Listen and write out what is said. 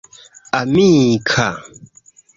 Amika.